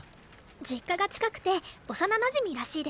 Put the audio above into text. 実家が近くて幼なじみらしいですよ。